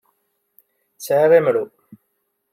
Sɛiɣ imru.